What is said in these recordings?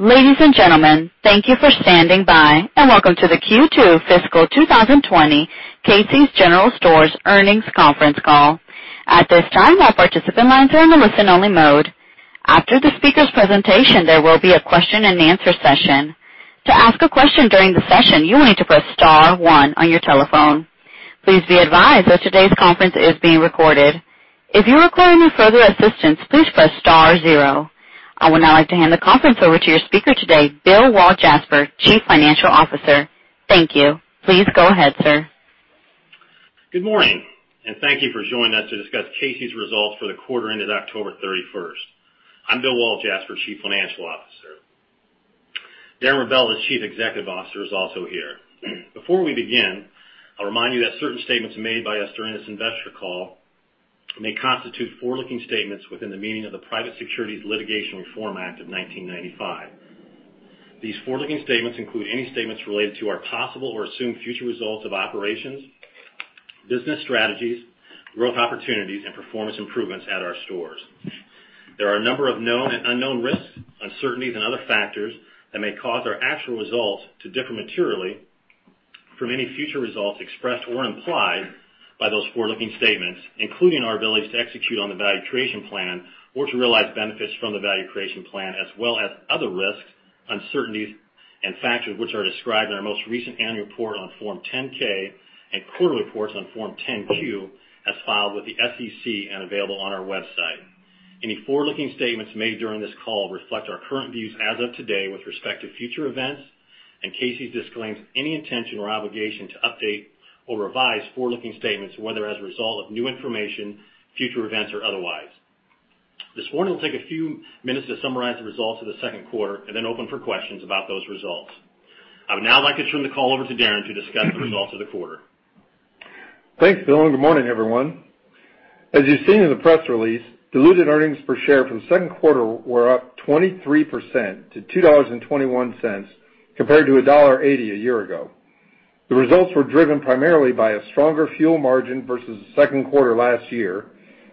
Ladies and gentlemen, thank you for standing by and welcome to the Q2 Fiscal 2020 Casey's General Stores Earnings Conference Call. At this time, all participants are in the listen-only mode. After the speaker's presentation, there will be a question-and-answer session. To ask a question during the session, you will need to press star one on your telephone. Please be advised that today's conference is being recorded. If you require any further assistance, please press star zero. I would now like to hand the conference over to your speaker today, Bill Walljasper, Chief Financial Officer. Thank you. Please go ahead, sir. Good morning, and thank you for joining us to discuss Casey's results for the quarter ended October 31. I'm Bill Walljasper, Chief Financial Officer. Darren Rebelez, Chief Executive Officer, is also here. Before we begin, I'll remind you that certain statements made by us during this investor call may constitute forward-looking statements within the meaning of the Private Securities Litigation Reform Act of 1995. These forward-looking statements include any statements related to our possible or assumed future results of operations, business strategies, growth opportunities, and performance improvements at our stores. There are a number of known and unknown risks, uncertainties, and other factors that may cause our actual results to differ materially from any future results expressed or implied by those forward-looking statements, including our ability to execute on the value creation plan or to realize benefits from the value creation plan, as well as other risks, uncertainties, and factors which are described in our most recent annual report on Form 10-K and quarterly reports on Form 10-Q as filed with the SEC and available on our website. Any forward-looking statements made during this call reflect our current views as of today with respect to future events, and Casey's disclaims any intention or obligation to update or revise forward-looking statements, whether as a result of new information, future events, or otherwise. This morning, we'll take a few minutes to summarize the results of the second quarter and then open for questions about those results. I would now like to turn the call over to Darren to discuss the results of the quarter. Thanks, Bill. Good morning, everyone. As you've seen in the press release, diluted earnings per share for the second quarter were up 23% to $2.21 compared to $1.80 a year ago. The results were driven primarily by a stronger fuel margin vs the second quarter last year,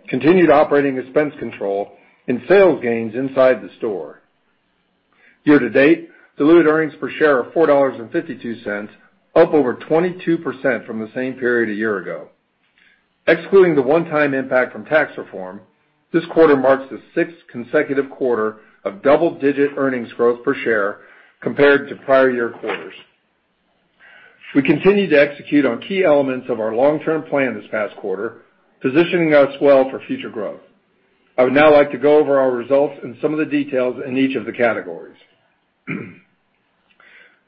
continued operating expense control, and sales gains inside the store. Year to date, diluted earnings per share are $4.52, up over 22% from the same period a year ago. Excluding the one-time impact from tax reform, this quarter marks the sixth consecutive quarter of double-digit earnings growth per share compared to prior year quarters. We continue to execute on key elements of our long-term plan this past quarter, positioning us well for future growth. I would now like to go over our results and some of the details in each of the categories.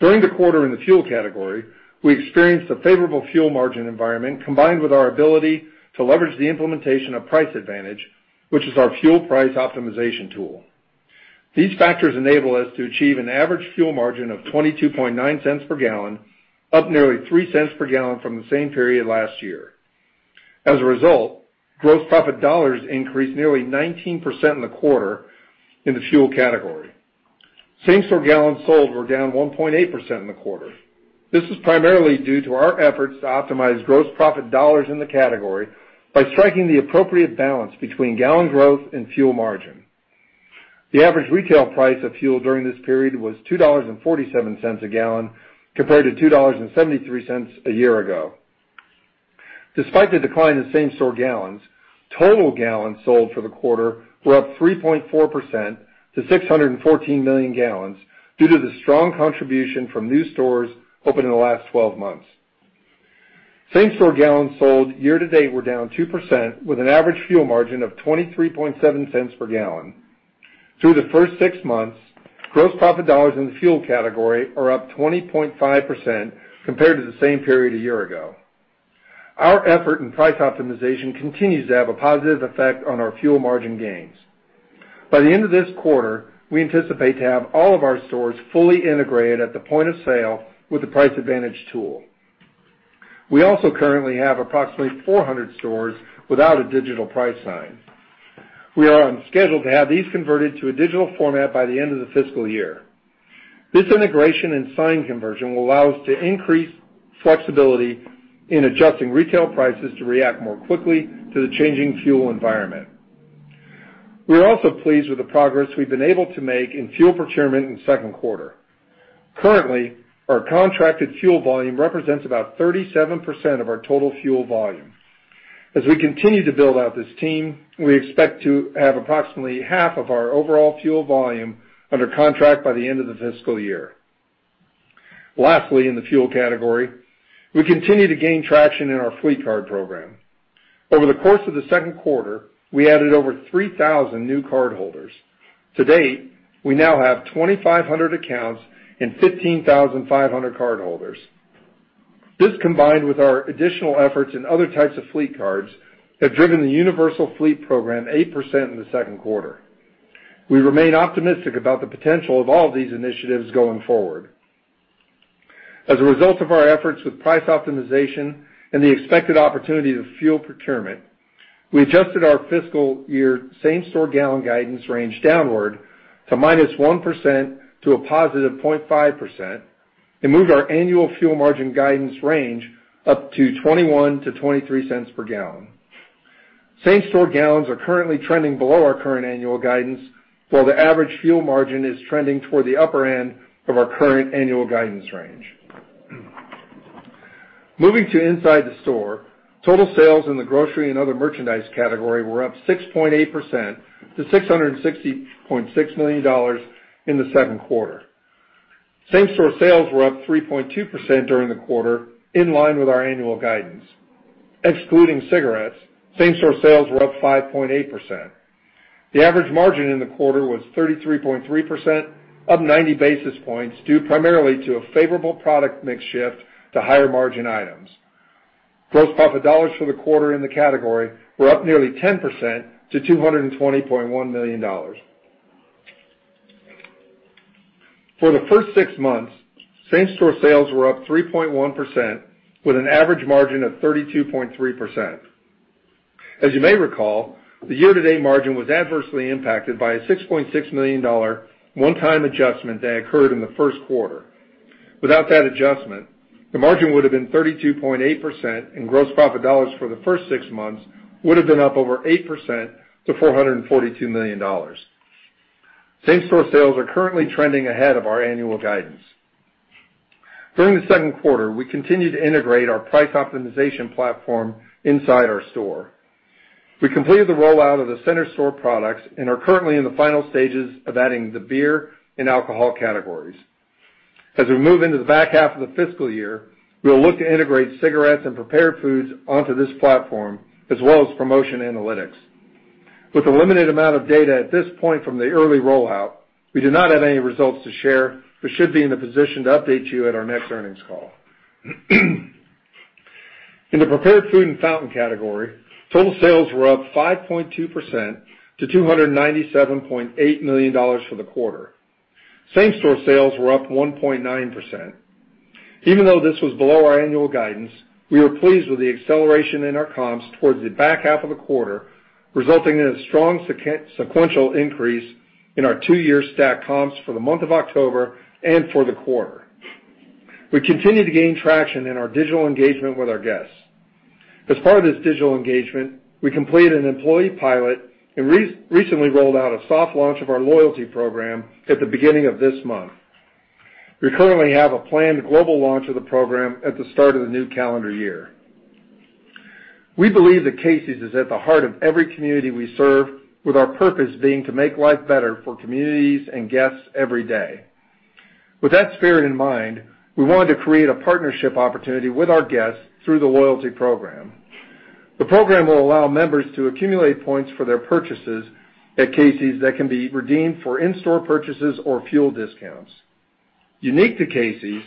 During the quarter in the fuel category, we experienced a favorable fuel margin environment combined with our ability to leverage the implementation of Price Advantage, which is our fuel price optimization tool. These factors enable us to achieve an average fuel margin of $0.229 per gallon, up nearly $0.03 per gallon from the same period last year. As a result, gross profit dollars increased nearly 19% in the quarter in the fuel category. Same-store gallons sold were down 1.8% in the quarter. This is primarily due to our efforts to optimize gross profit dollars in the category by striking the appropriate balance between gallon growth and fuel margin. The average retail price of fuel during this period was $2.47 a gallon compared to $2.73 a year ago. Despite the decline in same-store gallons, total gallons sold for the quarter were up 3.4% to 614 million gallons due to the strong contribution from new stores opened in the last 12 months. Same-store gallons sold year to date were down 2% with an average fuel margin of $0.237 per gallon. Through the first six months, gross profit dollars in the fuel category are up 20.5% compared to the same period a year ago. Our effort in price optimization continues to have a positive effect on our fuel margin gains. By the end of this quarter, we anticipate to have all of our stores fully integrated at the point of sale with the Price Advantage tool. We also currently have approximately 400 stores without a digital price sign. We are on schedule to have these converted to a digital format by the end of the fiscal year. This integration and sign conversion will allow us to increase flexibility in adjusting retail prices to react more quickly to the changing fuel environment. We are also pleased with the progress we've been able to make in fuel procurement in the second quarter. Currently, our contracted fuel volume represents about 37% of our total fuel volume. As we continue to build out this team, we expect to have approximately half of our overall fuel volume under contract by the end of the fiscal year. Lastly, in the fuel category, we continue to gain traction in our fleet card program. Over the course of the second quarter, we added over 3,000 new cardholders. To date, we now have 2,500 accounts and 15,500 cardholders. This, combined with our additional efforts in other types of fleet cards, has driven the universal fleet program 8% in the second quarter. We remain optimistic about the potential of all these initiatives going forward. As a result of our efforts with price optimization and the expected opportunity of fuel procurement, we adjusted our fiscal year same-store gallon guidance range downward to -1% to +0.5% and moved our annual fuel margin guidance range up to $0.21-$0.23 per gallon. Same-store gallons are currently trending below our current annual guidance, while the average fuel margin is trending toward the upper end of our current annual guidance range. Moving to inside the store, total sales in the grocery and other merchandise category were up 6.8% to $660.6 million in the second quarter. Same-store sales were up 3.2% during the quarter, in line with our annual guidance. Excluding cigarettes, same-store sales were up 5.8%. The average margin in the quarter was 33.3%, up 90 basis points, due primarily to a favorable product mix shift to higher margin items. Gross profit dollars for the quarter in the category were up nearly 10% to $220.1 million. For the first six months, same-store sales were up 3.1% with an average margin of 32.3%. As you may recall, the year-to-date margin was adversely impacted by a $6.6 million one-time adjustment that occurred in the first quarter. Without that adjustment, the margin would have been 32.8%, and gross profit dollars for the first six months would have been up over 8% to $442 million. Same-store sales are currently trending ahead of our annual guidance. During the second quarter, we continued to integrate our price optimization platform inside our store. We completed the rollout of the center store products and are currently in the final stages of adding the beer and alcohol categories. As we move into the back half of the fiscal year, we will look to integrate cigarettes and prepared foods onto this platform, as well as promotion analytics. With the limited amount of data at this point from the early rollout, we do not have any results to share, but should be in the position to update you at our next earnings call. In the prepared food and fountain category, total sales were up 5.2% to $297.8 million for the quarter. Same-store sales were up 1.9%. Even though this was below our annual guidance, we are pleased with the acceleration in our comps towards the back half of the quarter, resulting in a strong sequential increase in our two-year stack comps for the month of October and for the quarter. We continue to gain traction in our digital engagement with our guests. As part of this digital engagement, we completed an employee pilot and recently rolled out a soft launch of our loyalty program at the beginning of this month. We currently have a planned global launch of the program at the start of the new calendar year. We believe that Casey's is at the heart of every community we serve, with our purpose being to make life better for communities and guests every day. With that spirit in mind, we wanted to create a partnership opportunity with our guests through the loyalty program. The program will allow members to accumulate points for their purchases at Casey's that can be redeemed for in-store purchases or fuel discounts. Unique to Casey's,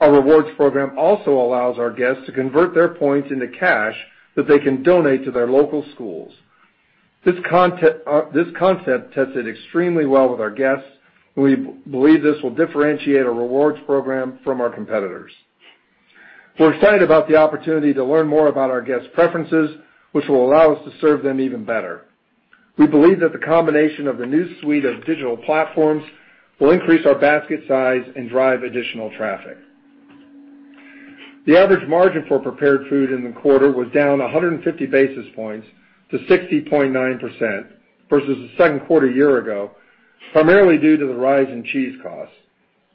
our rewards program also allows our guests to convert their points into cash that they can donate to their local schools. This concept tested extremely well with our guests, and we believe this will differentiate our rewards program from our competitors. We're excited about the opportunity to learn more about our guests' preferences, which will allow us to serve them even better. We believe that the combination of the new suite of digital platforms will increase our basket size and drive additional traffic. The average margin for prepared food in the quarter was down 150 basis points to 60.9% versus the second quarter a year ago, primarily due to the rise in cheese costs.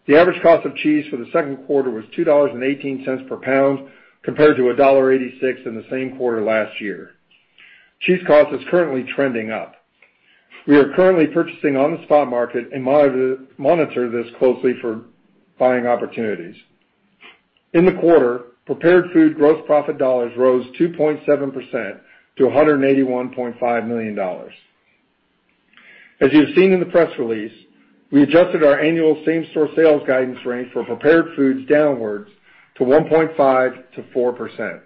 The average cost of cheese for the second quarter was $2.18 per pound compared to $1.86 in the same quarter last year. Cheese costs are currently trending up. We are currently purchasing on the spot market and monitor this closely for buying opportunities. In the quarter, prepared food gross profit dollars rose 2.7% to $181.5 million. As you've seen in the press release, we adjusted our annual same-store sales guidance range for prepared foods downwards to 1.5-4%.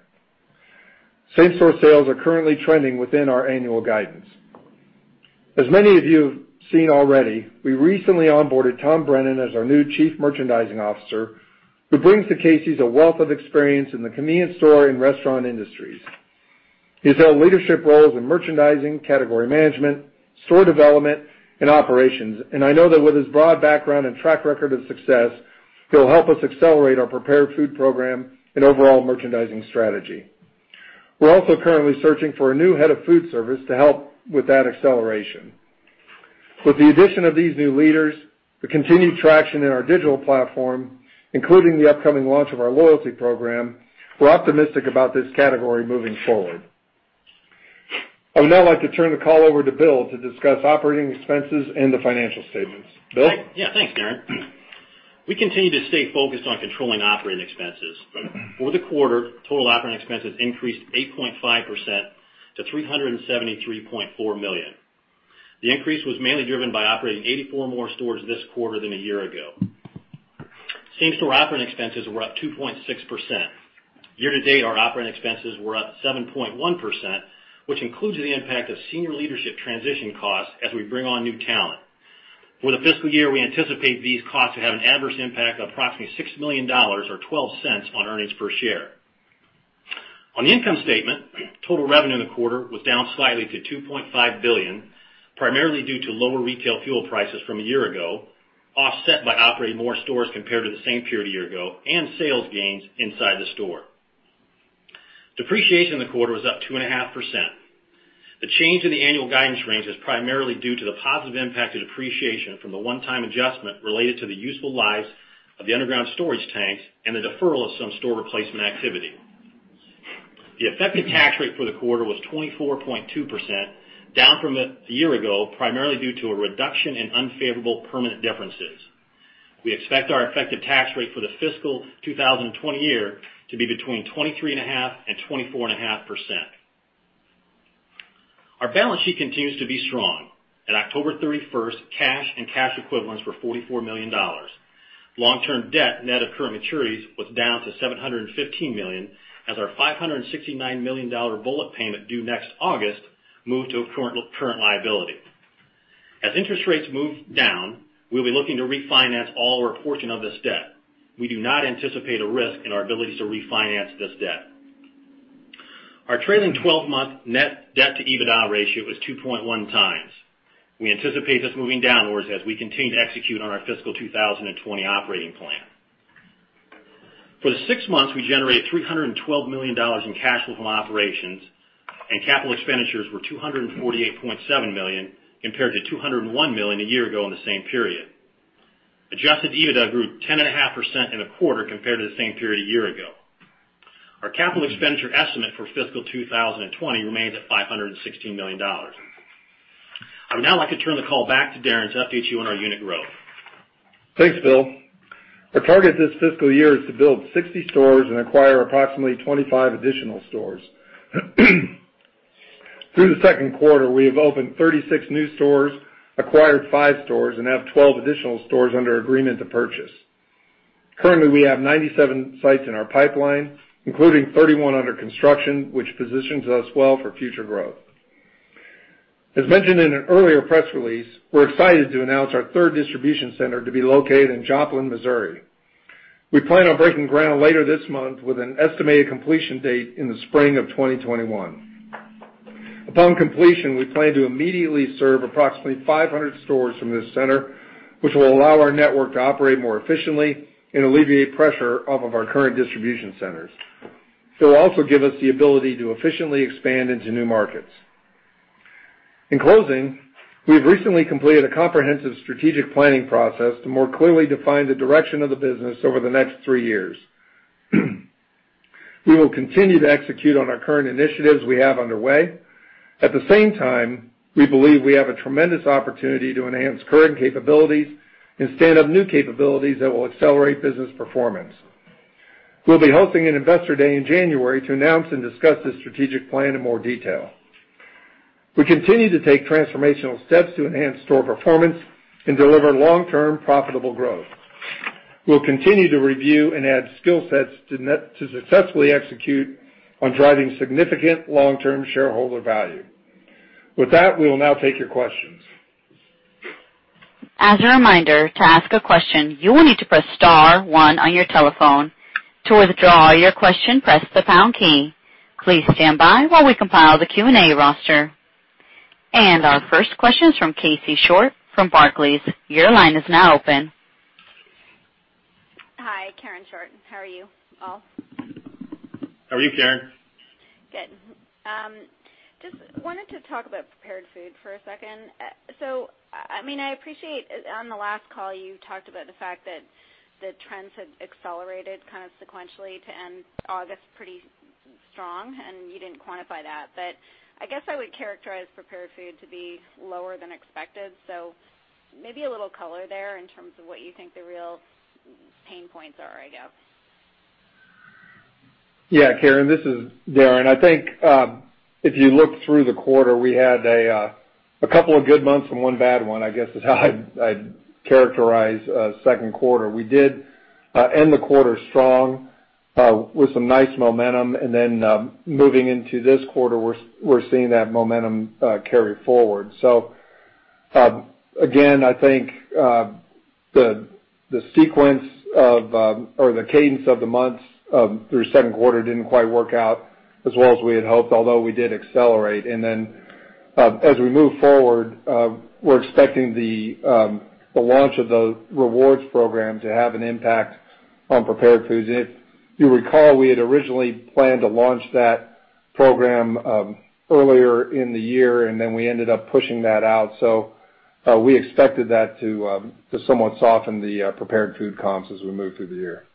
Same-store sales are currently trending within our annual guidance. As many of you have seen already, we recently onboarded Tom Brennan as our new Chief Merchandising Officer, who brings to Casey's a wealth of experience in the convenience store and restaurant industries. He has held leadership roles in merchandising, category management, store development, and operations, and I know that with his broad background and track record of success, he'll help us accelerate our prepared food program and overall merchandising strategy. We're also currently searching for a new head of food service to help with that acceleration. With the addition of these new leaders, the continued traction in our digital platform, including the upcoming launch of our loyalty program, we're optimistic about this category moving forward. I would now like to turn the call over to Bill to discuss operating expenses and the financial statements. Bill? Yeah. Thanks, Darren. We continue to stay focused on controlling operating expenses. Over the quarter, total operating expenses increased 8.5% to $373.4 million. The increase was mainly driven by operating 84 more stores this quarter than a year ago. Same-store operating expenses were up 2.6%. Year to date, our operating expenses were up 7.1%, which includes the impact of senior leadership transition costs as we bring on new talent. For the fiscal year, we anticipate these costs to have an adverse impact of approximately $6 million or $0.12 on earnings per share. On the income statement, total revenue in the quarter was down slightly to $2.5 billion, primarily due to lower retail fuel prices from a year ago, offset by operating more stores compared to the same period a year ago, and sales gains inside the store. Depreciation in the quarter was up 2.5%. The change in the annual guidance range is primarily due to the positive impact of depreciation from the one-time adjustment related to the useful lives of the underground storage tanks and the deferral of some store replacement activity. The effective tax rate for the quarter was 24.2%, down from a year ago, primarily due to a reduction in unfavorable permanent differences. We expect our effective tax rate for the fiscal 2020 year to be between 23.5-24.5%. Our balance sheet continues to be strong. At October 31st, cash and cash equivalents were $44 million. Long-term debt net of current maturities was down to $715 million, as our $569 million bullet payment due next August moved to current liability. As interest rates move down, we'll be looking to refinance all or a portion of this debt. We do not anticipate a risk in our ability to refinance this debt. Our trailing 12-month net debt-to-EBITDA ratio is 2.1x. We anticipate this moving downwards as we continue to execute on our fiscal 2020 operating plan. For the six months, we generated $312 million in cash flow from operations, and capital expenditures were $248.7 million compared to $201 million a year ago in the same period. Adjusted EBITDA grew 10.5% in the quarter compared to the same period a year ago. Our capital expenditure estimate for fiscal 2020 remains at $516 million. I would now like to turn the call back to Darren to update you on our unit growth. Thanks, Bill. Our target this fiscal year is to build 60 stores and acquire approximately 25 additional stores. Through the second quarter, we have opened 36 new stores, acquired five stores, and have 12 additional stores under agreement to purchase. Currently, we have 97 sites in our pipeline, including 31 under construction, which positions us well for future growth. As mentioned in an earlier press release, we're excited to announce our third distribution center to be located in Joplin, Missouri. We plan on breaking ground later this month with an estimated completion date in the spring of 2021. Upon completion, we plan to immediately serve approximately 500 stores from this center, which will allow our network to operate more efficiently and alleviate pressure off of our current distribution centers. It will also give us the ability to efficiently expand into new markets. In closing, we have recently completed a comprehensive strategic planning process to more clearly define the direction of the business over the next three years. We will continue to execute on our current initiatives we have underway. At the same time, we believe we have a tremendous opportunity to enhance current capabilities and stand up new capabilities that will accelerate business performance. We'll be hosting an investor day in January to announce and discuss this strategic plan in more detail. We continue to take transformational steps to enhance store performance and deliver long-term profitable growth. We'll continue to review and add skill sets to successfully execute on driving significant long-term shareholder value. With that, we will now take your questions. As a reminder, to ask a question, you will need to press star one on your telephone. To withdraw your question, press the pound key. Please stand by while we compile the Q&A roster. Our first question is from Karen Short from Barclays. Your line is now open. Hi, Karen Short. How are you all? How are you, Karen? Good. Just wanted to talk about prepared food for a second. I mean, I appreciate on the last call, you talked about the fact that the trends had accelerated kind of sequentially to end August pretty strong, and you did not quantify that. I guess I would characterize prepared food to be lower than expected. Maybe a little color there in terms of what you think the real pain points are, I guess. Yeah, Karen, this is Darren. I think if you look through the quarter, we had a couple of good months and one bad one, I guess, is how I'd characterize second quarter. We did end the quarter strong with some nice momentum, and moving into this quarter, we're seeing that momentum carry forward. I think the sequence of or the cadence of the months through second quarter didn't quite work out as well as we had hoped, although we did accelerate. As we move forward, we're expecting the launch of the rewards program to have an impact on prepared foods. If you recall, we had originally planned to launch that program earlier in the year, and we ended up pushing that out. We expected that to somewhat soften the prepared food comps as we move through the year.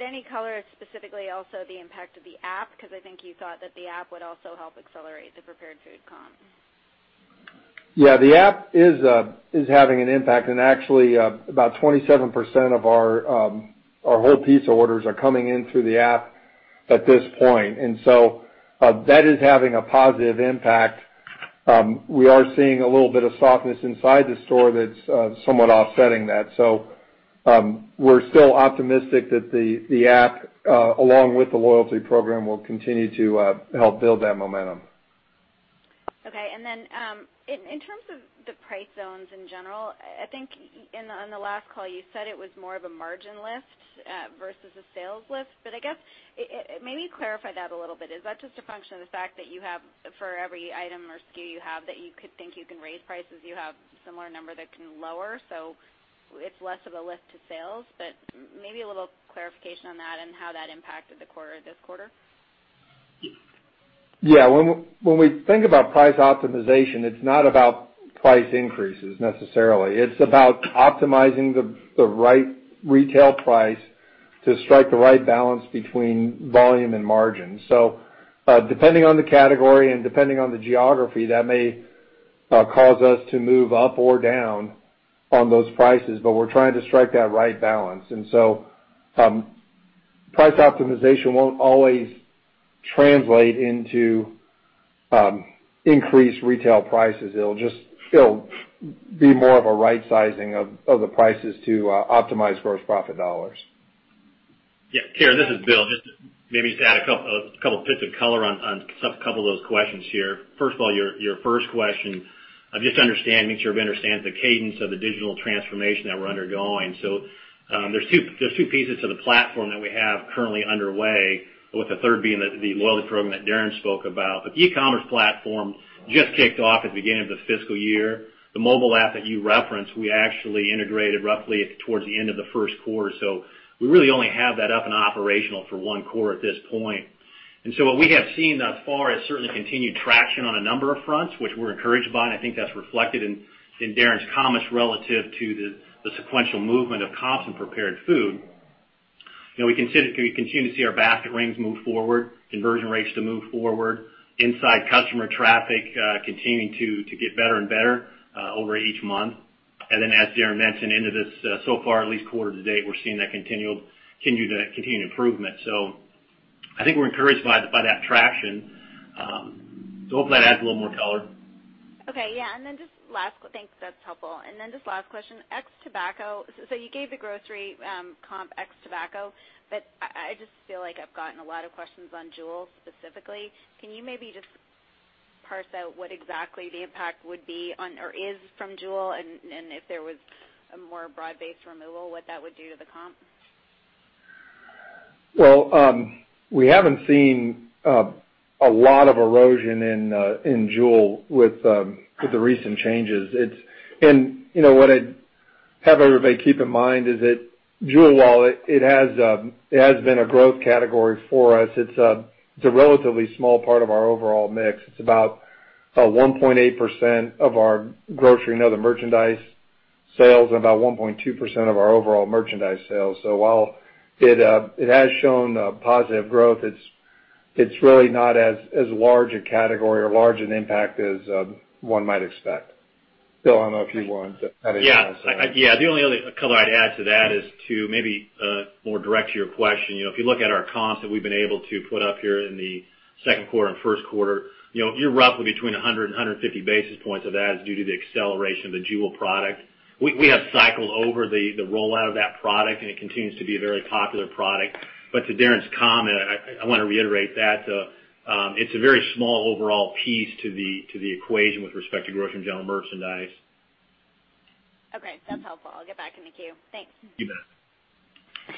Any color specifically also the impact of the app, because I think you thought that the app would also help accelerate the prepared food comp. Yeah, the app is having an impact. Actually, about 27% of our whole pizza orders are coming in through the app at this point. That is having a positive impact. We are seeing a little bit of softness inside the store that's somewhat offsetting that. We are still optimistic that the app, along with the loyalty program, will continue to help build that momentum. Okay. In terms of the price zones in general, I think on the last call, you said it was more of a margin lift vs a sales lift. I guess maybe clarify that a little bit. Is that just a function of the fact that you have for every item or SKU you have that you could think you can raise prices, you have a similar number that can lower? It is less of a lift to sales. Maybe a little clarification on that and how that impacted the quarter this quarter. Yeah. When we think about price optimization, it's not about price increases necessarily. It's about optimizing the right retail price to strike the right balance between volume and margin. Depending on the category and depending on the geography, that may cause us to move up or down on those prices, but we're trying to strike that right balance. Price optimization won't always translate into increased retail prices. It'll just be more of a right-sizing of the prices to optimize gross profit dollars. Yeah. Karen, this is Bill. Just maybe to add a couple of bits of color on a couple of those questions here. First of all, your first question, I'm just understanding to make sure everybody understands the cadence of the digital transformation that we're undergoing. There are two pieces to the platform that we have currently underway, with the third being the loyalty program that Darren spoke about. The e-commerce platform just kicked off at the beginning of the fiscal year. The mobile app that you referenced, we actually integrated roughly towards the end of the first quarter. We really only have that up and operational for one quarter at this point. What we have seen thus far is certainly continued traction on a number of fronts, which we're encouraged by. I think that's reflected in Darren's comments relative to the sequential movement of comps and prepared food. We continue to see our basket rings move forward, conversion rates to move forward, inside customer traffic continuing to get better and better over each month. As Darren mentioned, into this so far, at least quarter to date, we're seeing that continued improvement. I think we're encouraged by that traction. Hopefully, that adds a little more color. Okay. Yeah. And then just last question. Thanks. That's helpful. And then just last question. Ex tobacco. So you gave the grocery comp ex tobacco, but I just feel like I've gotten a lot of questions on JUUL specifically. Can you maybe just parse out what exactly the impact would be on or is from JUUL and if there was a more broad-based removal, what that would do to the comp? We have not seen a lot of erosion in JUUL with the recent changes. What I have everybody keep in mind is that JUUL, while it has been a growth category for us, is a relatively small part of our overall mix. It is about 1.8% of our grocery and other merchandise sales and about 1.2% of our overall merchandise sales. While it has shown positive growth, it is really not as large a category or as large an impact as one might expect. Bill, I do not know if you wanted to add anything else to that. Yeah. Yeah. The only other color I'd add to that is to maybe more direct to your question. If you look at our comps that we've been able to put up here in the second quarter and first quarter, you're roughly between 100 and 150 basis points of that due to the acceleration of the JUUL product. We have cycled over the rollout of that product, and it continues to be a very popular product. To Darren's comment, I want to reiterate that it's a very small overall piece to the equation with respect to grocery and general merchandise. Okay. That's helpful. I'll get back in the queue. Thanks. You bet.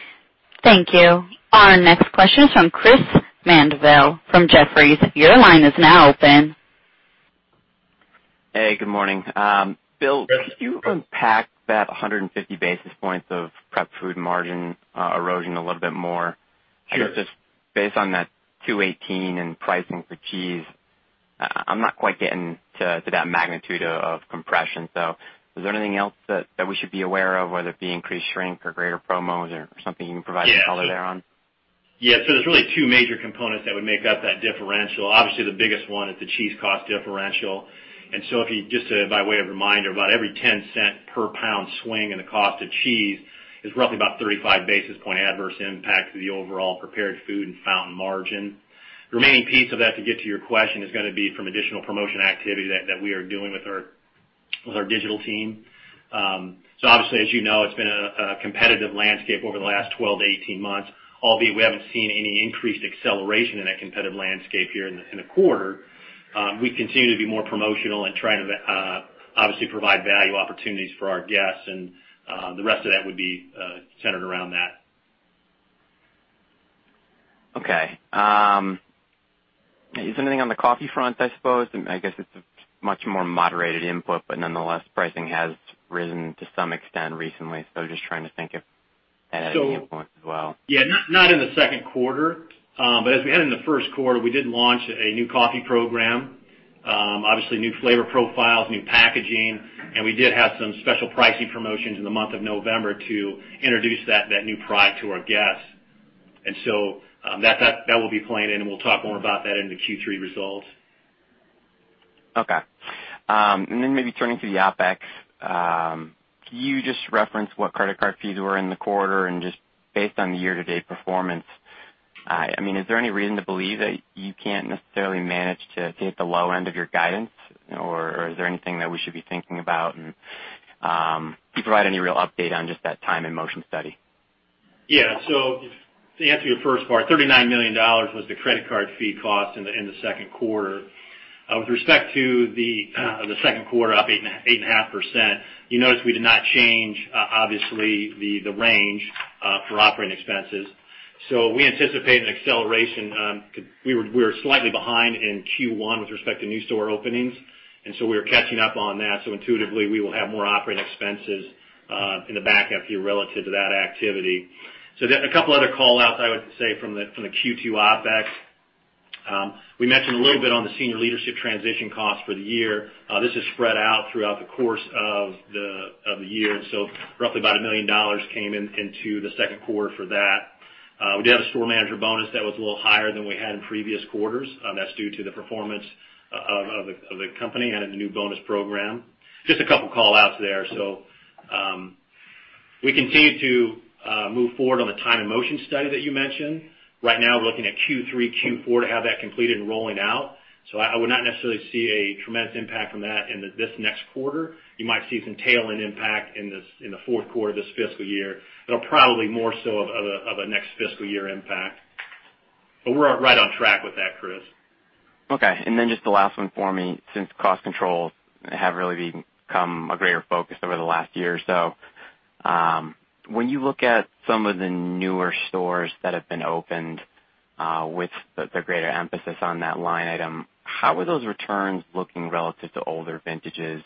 Thank you. Our next question is from Chris Mandeville from Jefferies. Your line is now open. Hey. Good morning. Bill, could you unpack that 150 basis points of prepared food margin erosion a little bit more? Just based on that $2.18 and pricing for cheese, I'm not quite getting to that magnitude of compression. Is there anything else that we should be aware of, whether it be increased shrink or greater promos or something you can provide some color there on? Yeah. There are really two major components that would make up that differential. Obviously, the biggest one is the cheese cost differential. Just by way of reminder, about every 10 cent per pound swing in the cost of cheese is roughly about 35 basis point adverse impact to the overall prepared food and fountain margin. The remaining piece of that, to get to your question, is going to be from additional promotion activity that we are doing with our digital team. As you know, it has been a competitive landscape over the last 12-18 months, albeit we have not seen any increased acceleration in that competitive landscape here in the quarter. We continue to be more promotional and trying to provide value opportunities for our guests. The rest of that would be centered around that. Okay. Is there anything on the coffee front, I suppose? I guess it's a much more moderated input, but nonetheless, pricing has risen to some extent recently. Just trying to think if that had any influence as well. Yeah. Not in the second quarter. As we had in the first quarter, we did launch a new coffee program, obviously new flavor profiles, new packaging. We did have some special pricing promotions in the month of November to introduce that new product to our guests. That will be playing in, and we'll talk more about that in the Q3 results. Okay. And then maybe turning to the OpEx, you just referenced what credit card fees were in the quarter. And just based on the year-to-date performance, I mean, is there any reason to believe that you can't necessarily manage to hit the low end of your guidance? Or is there anything that we should be thinking about? And can you provide any real update on just that time and motion study? Yeah. To answer your first part, $39 million was the credit card fee cost in the second quarter. With respect to the second quarter up 8.5%, you notice we did not change, obviously, the range for operating expenses. We anticipate an acceleration. We were slightly behind in Q1 with respect to new store openings. We were catching up on that. Intuitively, we will have more operating expenses in the back-end here relative to that activity. A couple of other callouts I would say from the Q2 OpEx. We mentioned a little bit on the senior leadership transition cost for the year. This is spread out throughout the course of the year. Roughly about $1 million came into the second quarter for that. We did have a store manager bonus that was a little higher than we had in previous quarters. That's due to the performance of the company and the new bonus program. Just a couple of callouts there. We continue to move forward on the time and motion study that you mentioned. Right now, we're looking at Q3, Q4 to have that completed and rolling out. I would not necessarily see a tremendous impact from that in this next quarter. You might see some tail-end impact in the fourth quarter of this fiscal year. It'll probably be more so of a next fiscal year impact. We're right on track with that, Chris. Okay. And then just the last one for me. Since cost controls have really become a greater focus over the last year or so, when you look at some of the newer stores that have been opened with the greater emphasis on that line item, how are those returns looking relative to older vintages?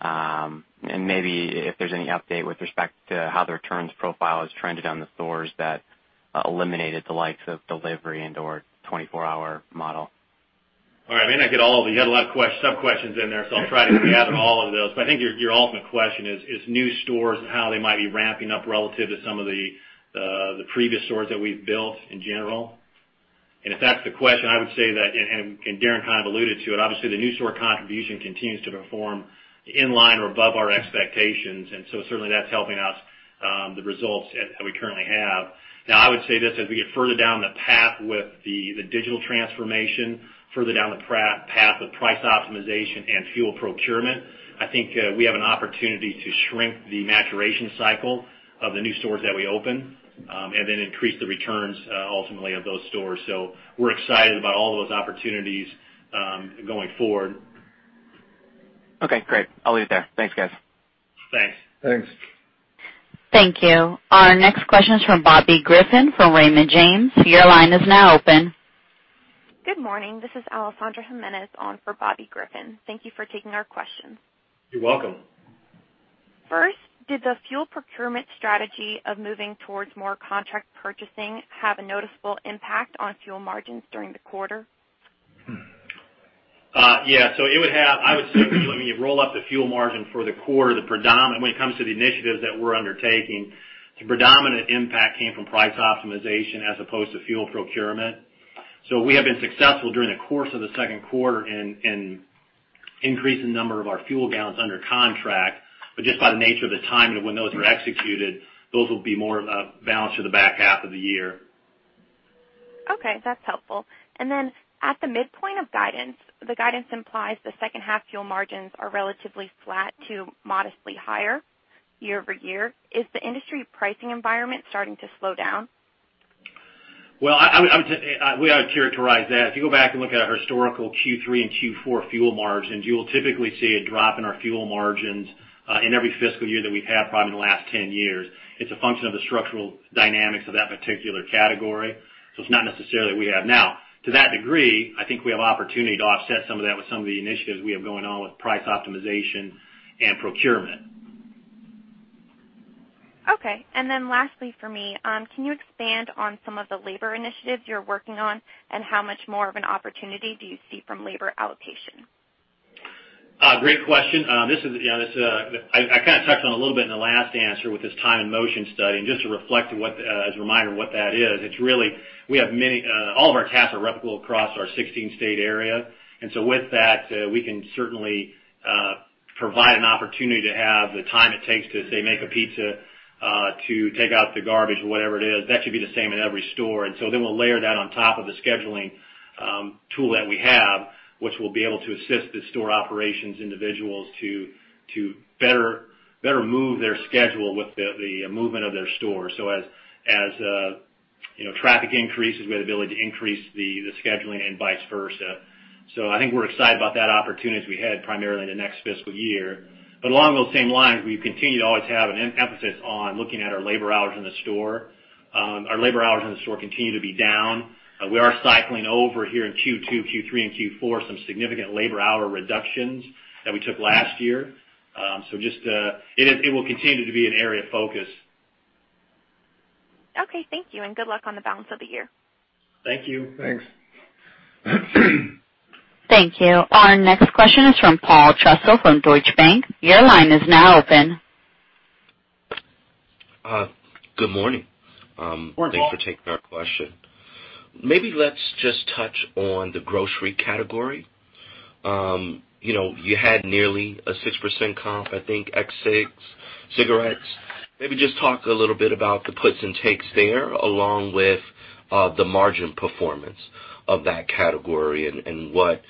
Maybe if there's any update with respect to how the returns profile has trended on the stores that eliminated the likes of delivery and/or 24-hour model. All right. I mean, I get all of them. You had a lot of sub-questions in there, so I'll try to gather all of those. I think your ultimate question is new stores and how they might be ramping up relative to some of the previous stores that we've built in general. If that's the question, I would say that, and Darren kind of alluded to it, obviously, the new store contribution continues to perform in line or above our expectations. Certainly, that's helping us the results that we currently have. I would say this as we get further down the path with the digital transformation, further down the path with price optimization and fuel procurement, I think we have an opportunity to shrink the maturation cycle of the new stores that we open and then increase the returns ultimately of those stores. We're excited about all those opportunities going forward. Okay. Great. I'll leave it there. Thanks, guys. Thanks. Thanks. Thank you. Our next question is from Bobby Griffin from Raymond James. Your line is now open. Good morning. This is Alessandra Jimenez on for Bobby Griffin. Thank you for taking our questions. You're welcome. First, did the fuel procurement strategy of moving towards more contract purchasing have a noticeable impact on fuel margins during the quarter? Yeah. It would have, I would say, if you let me roll up the fuel margin for the quarter, when it comes to the initiatives that we're undertaking, the predominant impact came from price optimization as opposed to fuel procurement. We have been successful during the course of the second quarter in increasing the number of our fuel gallons under contract. Just by the nature of the time and when those were executed, those will be more balanced to the back half of the year. Okay. That's helpful. At the midpoint of guidance, the guidance implies the second-half fuel margins are relatively flat to modestly higher year over year. Is the industry pricing environment starting to slow down? We have to characterize that. If you go back and look at our historical Q3 and Q4 fuel margins, you will typically see a drop in our fuel margins in every fiscal year that we've had probably in the last 10 years. It's a function of the structural dynamics of that particular category. It's not necessarily we have now. To that degree, I think we have opportunity to offset some of that with some of the initiatives we have going on with price optimization and procurement. Okay. Lastly for me, can you expand on some of the labor initiatives you're working on and how much more of an opportunity do you see from labor allocation? Great question. This is, yeah, I kind of touched on a little bit in the last answer with this time and motion study. Just to reflect as a reminder what that is, it's really we have many, all of our tasks are replicable across our 16-state area. With that, we can certainly provide an opportunity to have the time it takes to, say, make a pizza, to take out the garbage, whatever it is. That should be the same in every store. We will layer that on top of the scheduling tool that we have, which will be able to assist the store operations individuals to better move their schedule with the movement of their stores. As traffic increases, we have the ability to increase the scheduling and vice versa. I think we're excited about that opportunity as we head primarily into next fiscal year. Along those same lines, we continue to always have an emphasis on looking at our labor hours in the store. Our labor hours in the store continue to be down. We are cycling over here in Q2, Q3, and Q4 some significant labor hour reductions that we took last year. It will continue to be an area of focus. Okay. Thank you. Good luck on the balance of the year. Thank you. Thanks. Thank you. Our next question is from Paul Trussell from Deutsche Bank. Your line is now open. Good morning. Thanks for taking our question. Maybe let's just touch on the grocery category. You had nearly a 6% comp, I think, ex-cigarettes. Maybe just talk a little bit about the puts and takes there along with the margin performance of that category and what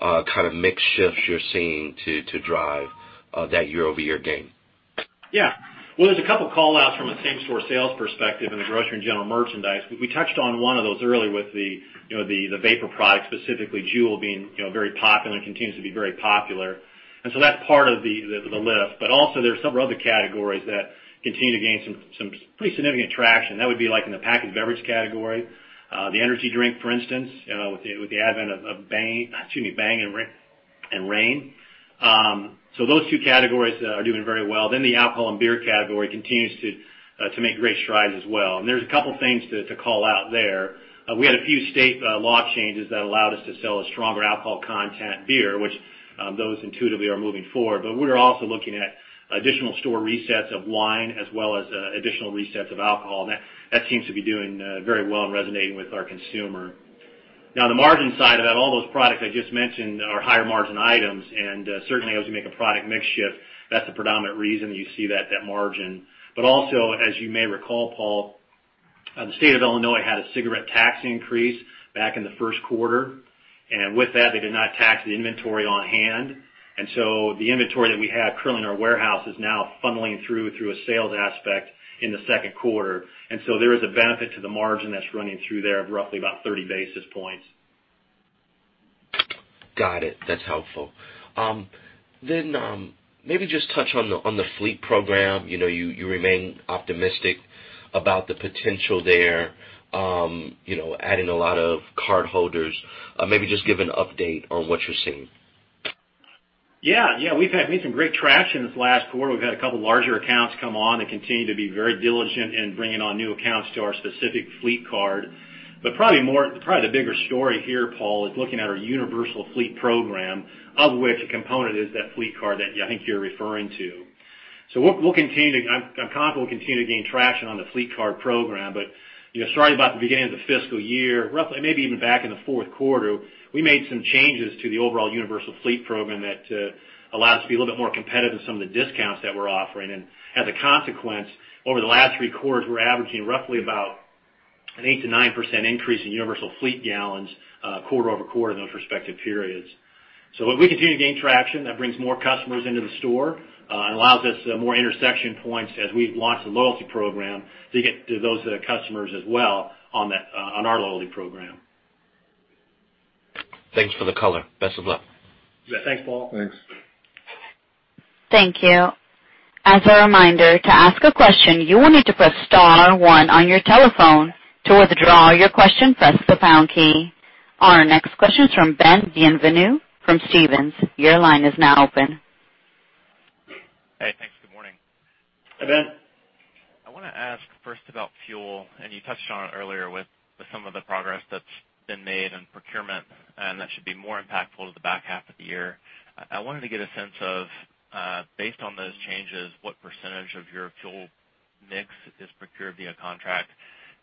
kind of mix shifts you're seeing to drive that year-over-year gain. Yeah. There are a couple of callouts from a same-store sales perspective in the grocery and general merchandise. We touched on one of those earlier with the vapor products, specifically JUUL being very popular and continues to be very popular. That is part of the lift. There are several other categories that continue to gain some pretty significant traction. That would be like in the packaged beverage category, the energy drink, for instance, with the advent of Bang and Reign. Those two categories are doing very well. The alcohol and beer category continues to make great strides as well. There are a couple of things to call out there. We had a few state law changes that allowed us to sell a stronger alcohol content beer, which those intuitively are moving forward. We are also looking at additional store resets of wine as well as additional resets of alcohol. That seems to be doing very well and resonating with our consumer. Now, on the margin side of that, all those products I just mentioned are higher margin items. Certainly, as we make a product mix shift, that is the predominant reason you see that margin. Also, as you may recall, Paul, the state of Illinois had a cigarette tax increase back in the first quarter. With that, they did not tax the inventory on hand. The inventory that we have currently in our warehouse is now funneling through a sales aspect in the second quarter. There is a benefit to the margin that is running through there of roughly about 30 basis points. Got it. That's helpful. Maybe just touch on the fleet program. You remain optimistic about the potential there, adding a lot of cardholders. Maybe just give an update on what you're seeing. Yeah. Yeah. We've had some great traction this last quarter. We've had a couple of larger accounts come on and continue to be very diligent in bringing on new accounts to our specific fleet card. Probably the bigger story here, Paul, is looking at our universal fleet program, of which a component is that fleet card that I think you're referring to. I'm confident we'll continue to gain traction on the fleet card program. Starting about the beginning of the fiscal year, roughly maybe even back in the fourth quarter, we made some changes to the overall universal fleet program that allowed us to be a little bit more competitive in some of the discounts that we're offering. As a consequence, over the last three quarters, we're averaging roughly about an 8-9% increase in universal fleet gallons quarter over quarter in those respective periods. We continue to gain traction. That brings more customers into the store and allows us more intersection points as we launch the loyalty program to get to those customers as well on our loyalty program. Thanks for the color. Best of luck. Yeah. Thanks, Paul. Thanks. Thank you. As a reminder, to ask a question, you will need to press star one on your telephone. To withdraw your question, press the pound key. Our next question is from Ben Bienvenu from Stephens. Your line is now open. Hey. Thanks. Good morning. Hey, Ben. I want to ask first about fuel. You touched on it earlier with some of the progress that's been made on procurement, and that should be more impactful to the back half of the year. I wanted to get a sense of, based on those changes, what percentage of your fuel mix is procured via contract.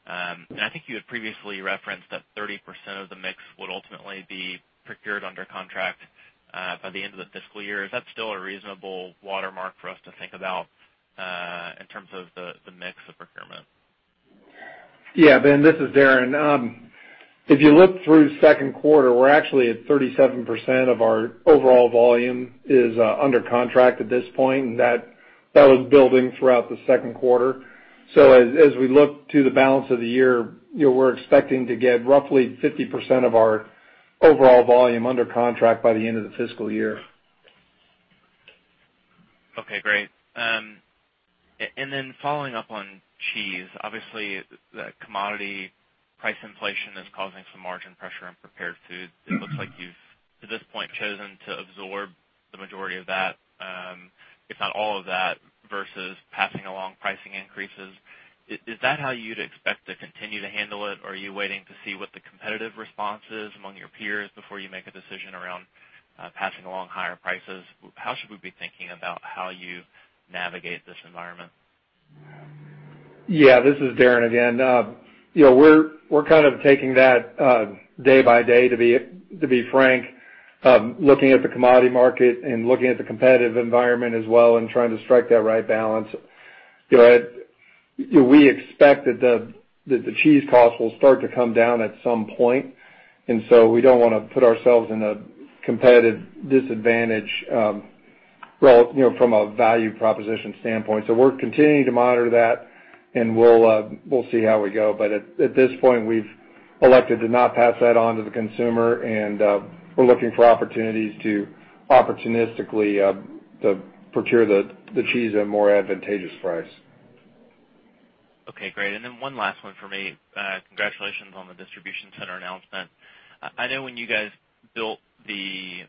I think you had previously referenced that 30% of the mix would ultimately be procured under contract by the end of the fiscal year. Is that still a reasonable watermark for us to think about in terms of the mix of procurement? Yeah. Ben, this is Darren here. If you look through second quarter, we're actually at 37% of our overall volume is under contract at this point. That was building throughout the second quarter. As we look to the balance of the year, we're expecting to get roughly 50% of our overall volume under contract by the end of the fiscal year. Okay. Great. Following up on cheese, obviously, the commodity price inflation is causing some margin pressure on prepared food. It looks like you've, to this point, chosen to absorb the majority of that, if not all of that, vs passing along pricing increases. Is that how you'd expect to continue to handle it, or are you waiting to see what the competitive response is among your peers before you make a decision around passing along higher prices? How should we be thinking about how you navigate this environment? Yeah. This is Darren again. We're kind of taking that day by day, to be frank, looking at the commodity market and looking at the competitive environment as well and trying to strike that right balance. We expect that the cheese costs will start to come down at some point. We don't want to put ourselves in a competitive disadvantage from a value proposition standpoint. We're continuing to monitor that, and we'll see how we go. At this point, we've elected to not pass that on to the consumer, and we're looking for opportunities to opportunistically procure the cheese at a more advantageous price. Okay. Great. One last one for me. Congratulations on the distribution center announcement. I know when you guys built the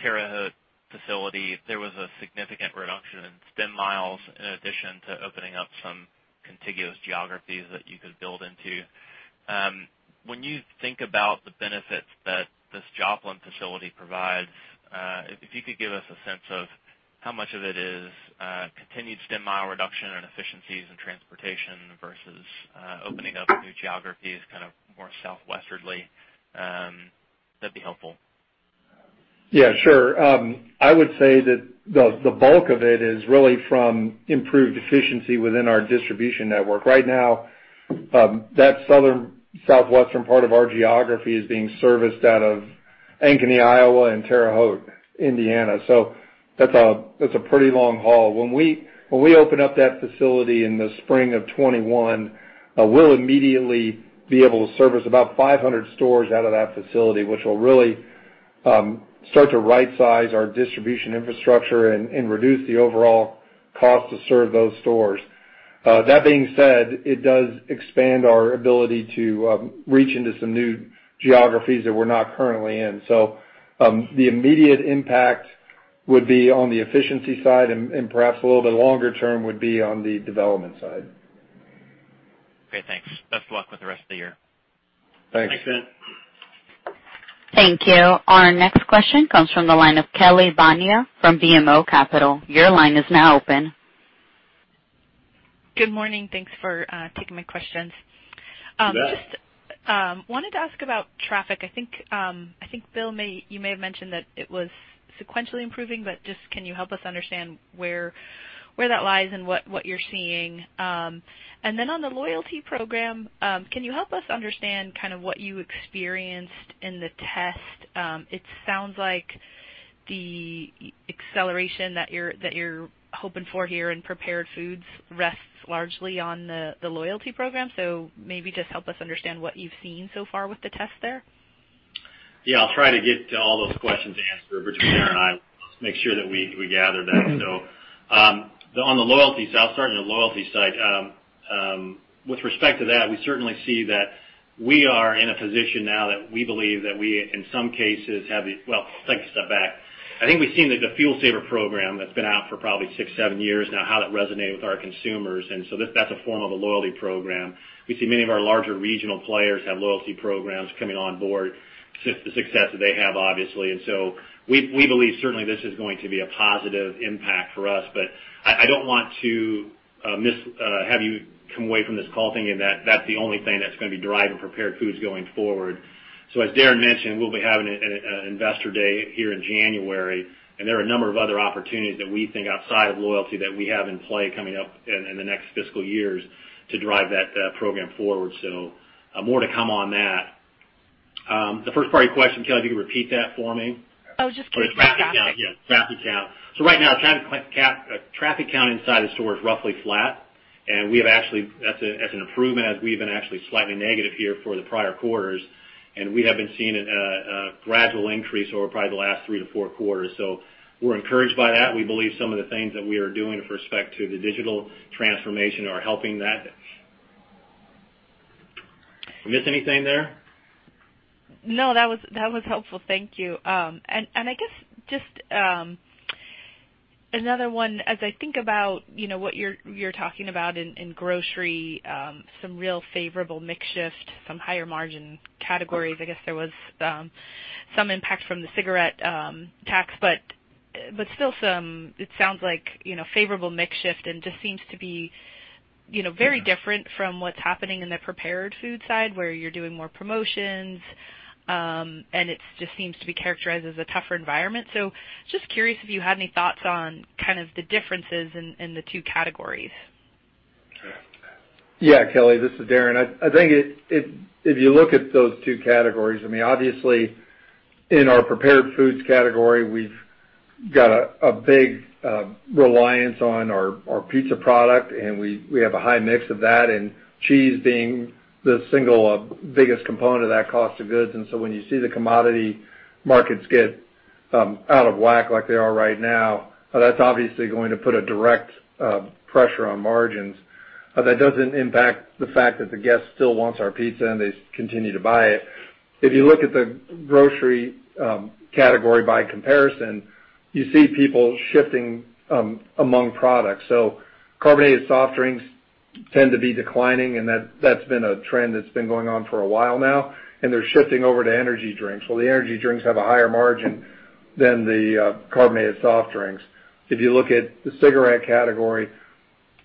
Terre Haute facility, there was a significant reduction in stem miles in addition to opening up some contiguous geographies that you could build into. When you think about the benefits that this Joplin facility provides, if you could give us a sense of how much of it is continued stem mile reduction and efficiencies in transportation versus opening up new geographies kind of more southwesterly, that'd be helpful. Yeah. Sure. I would say that the bulk of it is really from improved efficiency within our distribution network. Right now, that southwestern part of our geography is being serviced out of Ankeny, Iowa, and Terre Haute, Indiana. That is a pretty long haul. When we open up that facility in the spring of 2021, we will immediately be able to service about 500 stores out of that facility, which will really start to right-size our distribution infrastructure and reduce the overall cost to serve those stores. That being said, it does expand our ability to reach into some new geographies that we are not currently in. The immediate impact would be on the efficiency side, and perhaps a little bit longer term would be on the development side. Okay. Thanks. Best of luck with the rest of the year. Thanks. Thanks, Ben. Thank you. Our next question comes from the line of Kelly Bania from BMO Capital Markets. Your line is now open. Good morning. Thanks for taking my questions. Just wanted to ask about traffic. I think, Bill, you may have mentioned that it was sequentially improving, but just can you help us understand where that lies and what you're seeing? On the loyalty program, can you help us understand kind of what you experienced in the test? It sounds like the acceleration that you're hoping for here in prepared foods rests largely on the loyalty program. Maybe just help us understand what you've seen so far with the test there. Yeah. I'll try to get all those questions answered between Darren and I. Let's make sure that we gather that. On the loyalty side, I'll start on the loyalty side. With respect to that, we certainly see that we are in a position now that we believe that we, in some cases, have the—take a step back. I think we've seen that the Fuel Saver program that's been out for probably six, seven years now, how that resonated with our consumers. That's a form of a loyalty program. We see many of our larger regional players have loyalty programs coming on board, the success that they have, obviously. We believe certainly this is going to be a positive impact for us. I do not want to have you come away from this call thinking that that is the only thing that is going to be driving prepared foods going forward. As Darren mentioned, we will be having an investor day here in January. There are a number of other opportunities that we think outside of loyalty that we have in play coming up in the next fiscal years to drive that program forward. More to come on that. The first part of your question, Kelly, if you could repeat that for me. Oh, just Casey's traffic count. Yeah. Traffic count. Right now, traffic count inside the store is roughly flat. We have actually—that's an improvement as we've been actually slightly negative here for the prior quarters. We have been seeing a gradual increase over probably the last three to four quarters. We're encouraged by that. We believe some of the things that we are doing with respect to the digital transformation are helping that. Miss anything there? No. That was helpful. Thank you. I guess just another one, as I think about what you're talking about in grocery, some real favorable mix shift, some higher margin categories. I guess there was some impact from the cigarette tax, but still some, it sounds like, favorable mix shift and just seems to be very different from what's happening in the prepared food side where you're doing more promotions. It just seems to be characterized as a tougher environment. Just curious if you had any thoughts on kind of the differences in the two categories. Yeah. Kelly, this is Darren. I think if you look at those two categories, I mean, obviously, in our prepared foods category, we've got a big reliance on our pizza product, and we have a high mix of that. And cheese being the single biggest component of that cost of goods. When you see the commodity markets get out of whack like they are right now, that's obviously going to put a direct pressure on margins. That doesn't impact the fact that the guest still wants our pizza and they continue to buy it. If you look at the grocery category by comparison, you see people shifting among products. Carbonated soft drinks tend to be declining, and that's been a trend that's been going on for a while now. They're shifting over to energy drinks. The energy drinks have a higher margin than the carbonated soft drinks. If you look at the cigarette category,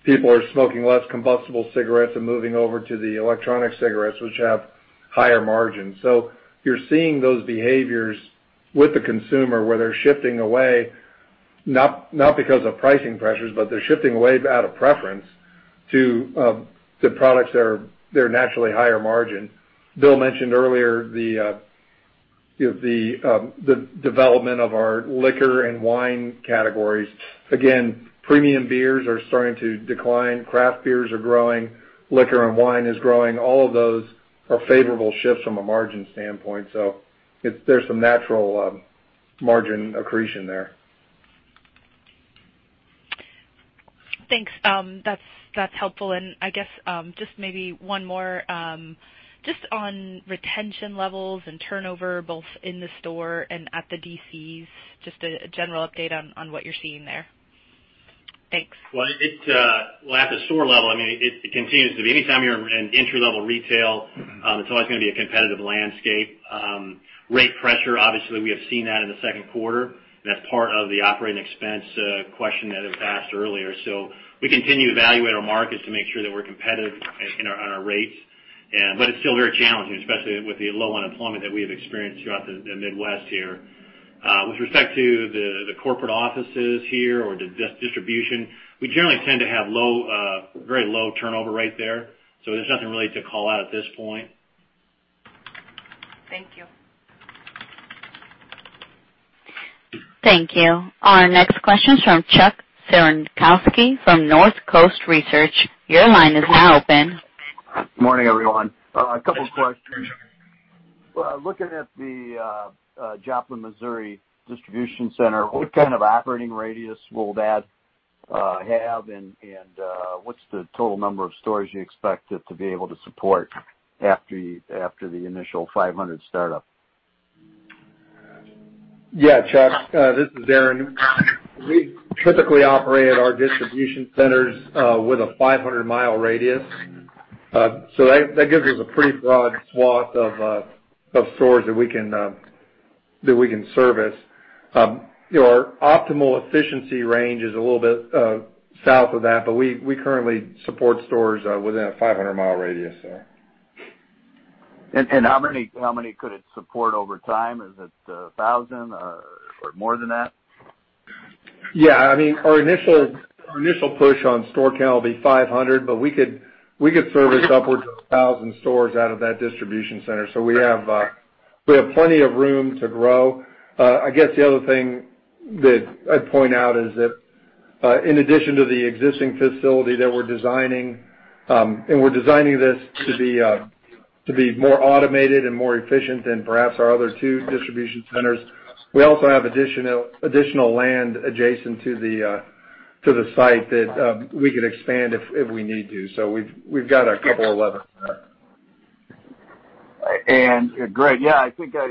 people are smoking less combustible cigarettes and moving over to the electronic cigarettes, which have higher margins. You are seeing those behaviors with the consumer where they are shifting away, not because of pricing pressures, but they are shifting away out of preference to the products that are naturally higher margin. Bill mentioned earlier the development of our liquor and wine categories. Again, premium beers are starting to decline. Craft beers are growing. Liquor and wine is growing. All of those are favorable shifts from a margin standpoint. There is some natural margin accretion there. Thanks. That's helpful. I guess just maybe one more, just on retention levels and turnover, both in the store and at the DCs, just a general update on what you're seeing there. Thanks. At the store level, I mean, it continues to be anytime you're in entry-level retail, it's always going to be a competitive landscape. Rate pressure, obviously, we have seen that in the second quarter. That's part of the operating expense question that was asked earlier. We continue to evaluate our markets to make sure that we're competitive on our rates. It's still very challenging, especially with the low unemployment that we have experienced throughout the Midwest here. With respect to the corporate offices here or the distribution, we generally tend to have very low turnover rate there. There's nothing really to call out at this point. Thank you. Thank you. Our next question is from Chuck Cerankosky from Northcoast Research. Your line is now open. Good morning, everyone. A couple of questions. Looking at the Joplin, Missouri distribution center, what kind of operating radius will that have, and what's the total number of stores you expect it to be able to support after the initial 500 startup? Yeah. Chuck, this is Darren. We typically operate our distribution centers with a 500 mile radius. That gives us a pretty broad swath of stores that we can service. Our optimal efficiency range is a little bit south of that, but we currently support stores within a 500 mile radius. How many could it support over time? Is it 1,000 or more than that? Yeah. I mean, our initial push on store count will be 500, but we could service upwards of 1,000 stores out of that distribution center. We have plenty of room to grow. I guess the other thing that I'd point out is that in addition to the existing facility that we're designing, and we're designing this to be more automated and more efficient than perhaps our other two distribution centers, we also have additional land adjacent to the site that we could expand if we need to. We've got a couple of levels there. Great. Yeah. I think I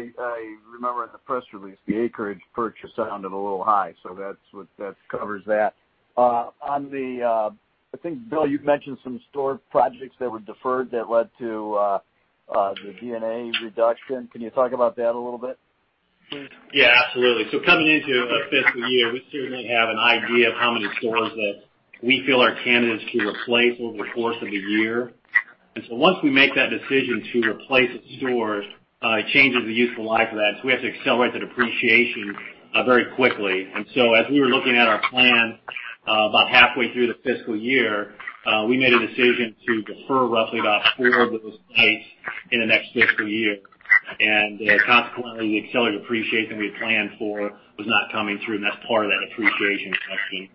remember in the press release, the acreage purchase sounded a little high. That covers that. I think, Bill, you mentioned some store projects that were deferred that led to the D&A reduction. Can you talk about that a little bit, please? Yeah. Absolutely. Coming into a fiscal year, we certainly have an idea of how many stores that we feel are candidates to replace over the course of the year. Once we make that decision to replace the stores, it changes the useful life of that. We have to accelerate that appreciation very quickly. As we were looking at our plan about halfway through the fiscal year, we made a decision to defer roughly about four of those sites into the next fiscal year. Consequently, the accelerated appreciation we had planned for was not coming through. That is part of that appreciation question.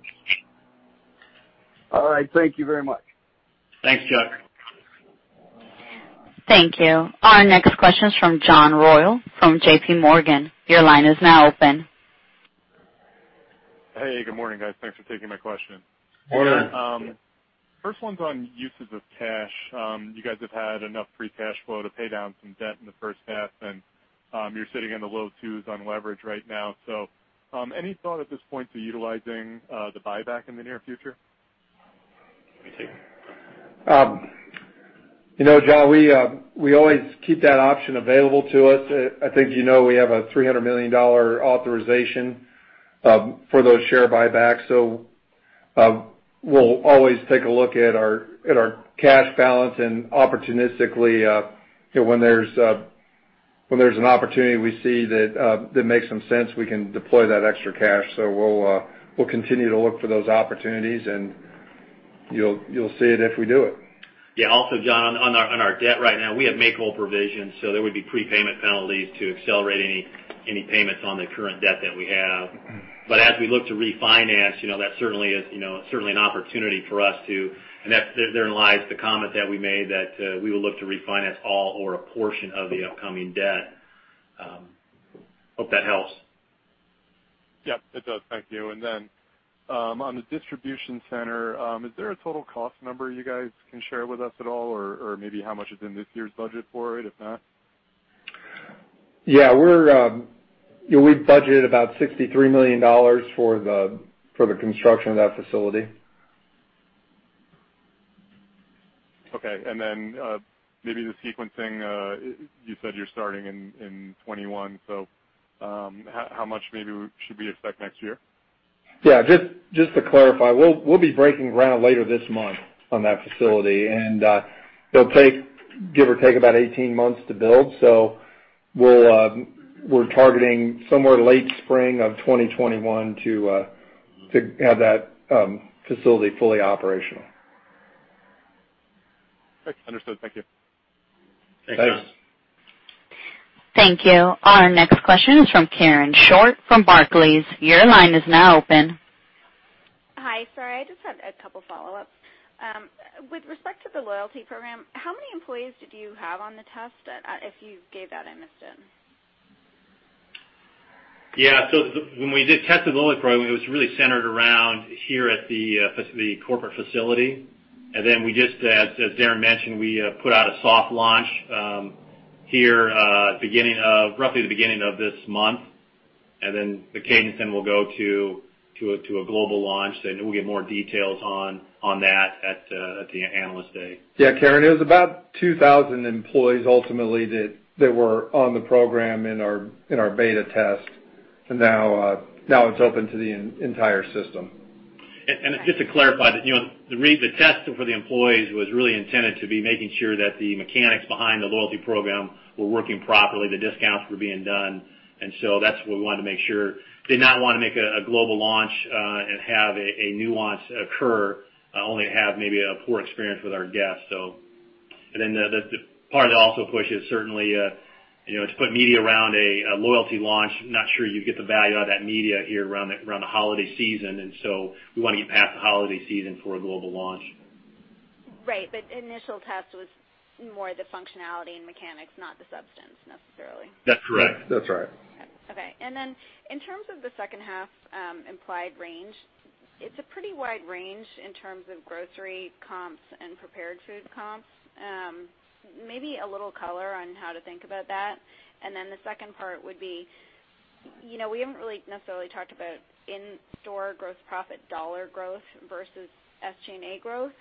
All right. Thank you very much. Thanks, Chuck. Thank you. Our next question is from John Royall from JPMorgan. Your line is now open. Hey. Good morning, guys. Thanks for taking my question. First one's on uses of cash. You guys have had enough free cash flow to pay down some debt in the first half, and you're sitting in the low twos on leverage right now. Any thought at this point to utilizing the buyback in the near future? John, we always keep that option available to us. I think you know we have a $300 million authorization for those share buybacks. We will always take a look at our cash balance. Opportunistically, when there is an opportunity we see that makes some sense, we can deploy that extra cash. We will continue to look for those opportunities, and you will see it if we do it. Yeah. Also, John, on our debt right now, we have makeable provisions. So there would be prepayment penalties to accelerate any payments on the current debt that we have. As we look to refinance, that certainly is certainly an opportunity for us to. Therein lies the comment that we made that we will look to refinance all or a portion of the upcoming debt. Hope that helps. Yep. It does. Thank you. On the distribution center, is there a total cost number you guys can share with us at all, or maybe how much is in this year's budget for it, if not? Yeah. We budgeted about $63 million for the construction of that facility. Okay. Maybe the sequencing, you said you're starting in 2021. How much maybe should we expect next year? Yeah. Just to clarify, we'll be breaking ground later this month on that facility. It will take, give or take, about 18 months to build. We are targeting somewhere late spring of 2021 to have that facility fully operational. Understood. Thank you. Thanks. Thanks. Thank you. Our next question is from Karen Short from Barclays. Your line is now open. Hi. Sorry. I just had a couple of follow-ups. With respect to the loyalty program, how many employees did you have on the test? If you gave that, I missed it. Yeah. When we did test the loyalty program, it was really centered around here at the corporate facility. We just, as Darren mentioned, put out a soft launch here at the beginning of roughly the beginning of this month. The cadence then will go to a global launch. We'll get more details on that at the analyst day. Yeah. Karen, it was about 2,000 employees ultimately that were on the program in our beta test. And now it's open to the entire system. Just to clarify, the test for the employees was really intended to be making sure that the mechanics behind the loyalty program were working properly, the discounts were being done. That is what we wanted to make sure. We did not want to make a global launch and have a nuance occur, only to have maybe a poor experience with our guests. The part that also pushes certainly to put media around a loyalty launch. Not sure you get the value out of that media here around the holiday season. We want to get past the holiday season for a global launch. Right. Initial test was more the functionality and mechanics, not the substance necessarily. That's correct. That's right. Okay. In terms of the second half implied range, it's a pretty wide range in terms of grocery comps and prepared food comps. Maybe a little color on how to think about that. The second part would be we haven't really necessarily talked about in-store gross profit dollar growth vs SG&A growth.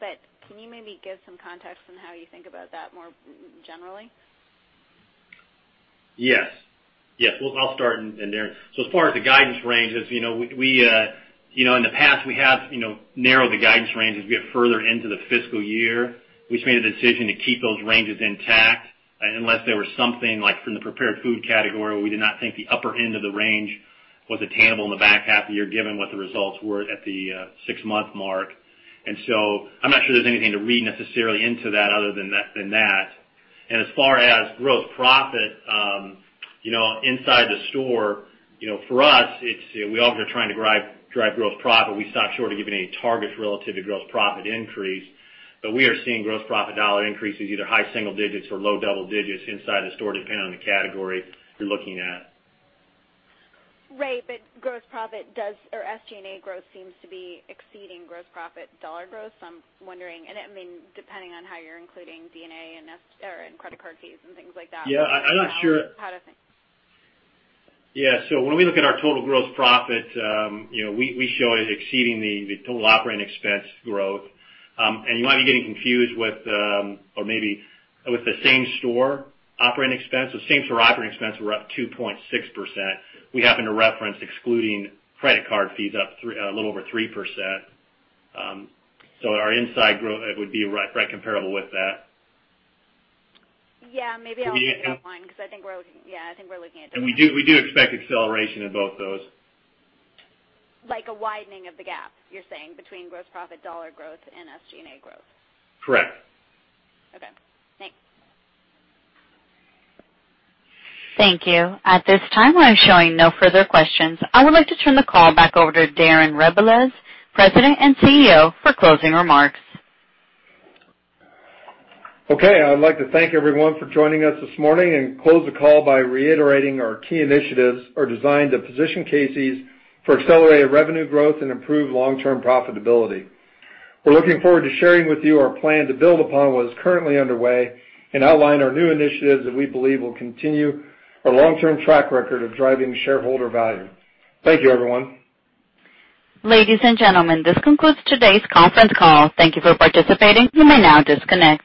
Can you maybe give some context on how you think about that more generally? Yes. Yes. I'll start in there. As far as the guidance ranges, we in the past, we have narrowed the guidance ranges a bit further into the fiscal year. We've made a decision to keep those ranges intact unless there was something like from the prepared food category where we did not think the upper end of the range was attainable in the back half of the year given what the results were at the six-month mark. I'm not sure there's anything to read necessarily into that other than that. As far as gross profit inside the store, for us, we always are trying to drive gross profit. We stop short of giving any targets relative to gross profit increase. We are seeing gross profit dollar increases, either high single digits or low double digits inside the store depending on the category you're looking at. Right. Gross profit does or SG&A growth seems to be exceeding gross profit dollar growth. I mean, depending on how you're including D&A and credit card fees and things like that. Yeah. I'm not sure. Yeah. When we look at our total gross profit, we show it exceeding the total operating expense growth. You might be getting confused with or maybe with the same-store operating expense. The same-store operating expense were up 2.6%. We happen to reference excluding credit card fees up a little over 3%. Our inside growth would be right comparable with that. Yeah. Maybe I'll look at that one because I think we're looking, yeah, I think we're looking at that. We do expect acceleration in both those. Like a widening of the gap, you're saying, between gross profit dollar growth and SG&A growth? Correct. Okay. Thanks. Thank you. At this time, I'm showing no further questions. I would like to turn the call back over to Darren Rebelez, President and CEO, for closing remarks. Okay. I'd like to thank everyone for joining us this morning and close the call by reiterating our key initiatives are designed to position Casey's for accelerated revenue growth and improved long-term profitability. We're looking forward to sharing with you our plan to build upon what is currently underway and outline our new initiatives that we believe will continue our long-term track record of driving shareholder value. Thank you, everyone. Ladies and gentlemen, this concludes today's conference call. Thank you for participating. You may now disconnect.